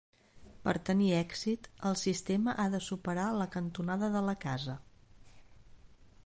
Per tenir èxit, el sistema ha de superar la cantonada de la casa.